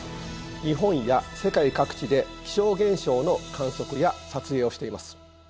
日本や世界各地で気象現象の観測や撮影をしています。